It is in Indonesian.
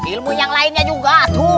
ilmu yang lainnya juga